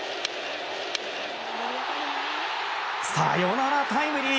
サヨナラタイムリー！